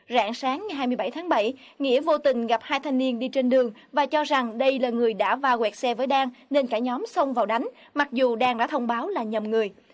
rạng sáng ngày hai mươi bảy tháng bảy nghĩa vô tình gặp hai thanh niên đi trên đường và cho rằng đây là người đã va quẹt xe với đan nên cả nhóm xông vào đánh mặc dù đang đã thông báo là nhầm người